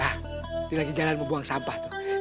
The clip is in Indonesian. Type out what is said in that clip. hah dia lagi jalan membuang sampah tuh